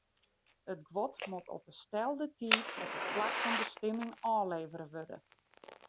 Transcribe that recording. It guod moat op 'e stelde tiid op it plak fan bestimming ôflevere wurde.